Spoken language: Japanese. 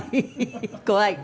怖い。